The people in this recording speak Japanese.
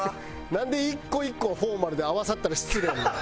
なんで１個１個はフォーマルで合わさったら失礼になんねん。